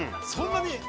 そんなに。